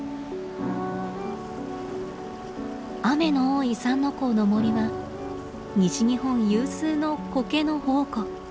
雨の多い三之公の森は西日本有数のコケの宝庫。